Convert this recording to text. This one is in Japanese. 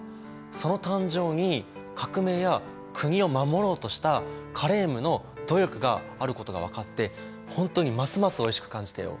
その誕生に革命や国を守ろうとしたカレームの努力があることが分かって本当にますますおいしく感じたよ。